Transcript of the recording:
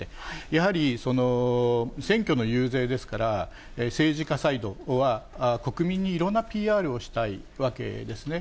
やはり、選挙の遊説ですから、政治家サイドは国民にいろんなＰＲをしたいわけですね。